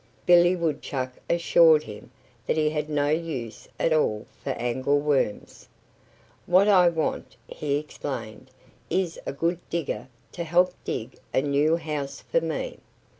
Billy Woodchuck assured him that he had no use at all for angleworms. "What I want," he explained, "is a good digger to help dig a new house for me."